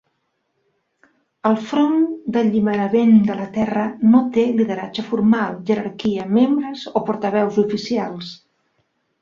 El Front d'Alliberament de la Terra no té lideratge formal, jerarquia, membres o portaveus oficials.